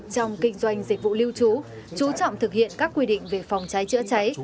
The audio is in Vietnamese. trong kinh doanh dịch vụ lưu trú chú trọng thực hiện các quy định về phòng cháy chữa cháy